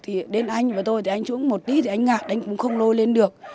thì đến anh với tôi thì anh xuống một tí thì anh ngạt anh cũng không lôi lên được